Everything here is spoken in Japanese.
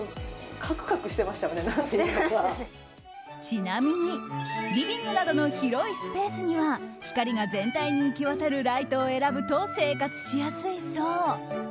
ちなみに、リビングなどの広いスペースには光が全体に行き渡るライトを選ぶと生活しやすいそう。